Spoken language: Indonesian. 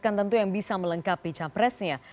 kan tentu yang bisa melengkapi cawapresnya